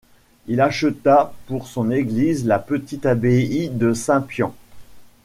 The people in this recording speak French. Il acheta pour son Église la petite Abbaye de Saint-Piant.